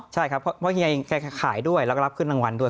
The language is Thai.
ใช่ครับเพราะเฮียเองแกขายด้วยแล้วก็รับขึ้นรางวัลด้วย